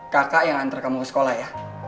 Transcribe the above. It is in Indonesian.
kakak yang antar kamu ke sekolah ya